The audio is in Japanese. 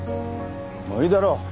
もういいだろう！